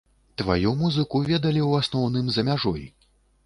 Тваю музыку ведалі ў асноўным за мяжой.